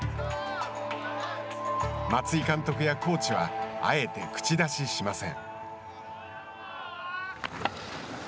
松井監督やコーチはあえて口出ししません。